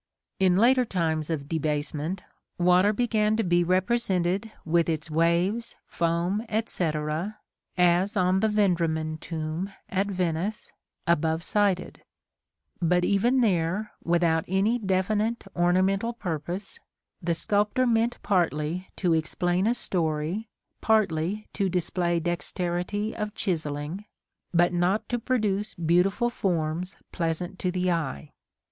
In later times of debasement, water began to be represented with its waves, foam, etc., as on the Vendramin tomb at Venice, above cited; but even there, without any definite ornamental purpose, the sculptor meant partly to explain a story, partly to display dexterity of chiselling, but not to produce beautiful forms pleasant to the eye.